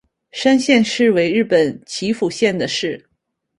山县市为日本岐阜县的市。